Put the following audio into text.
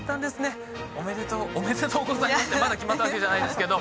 おめでとう「おめでとうござます」ってまだ決まったわけじゃないんですけど。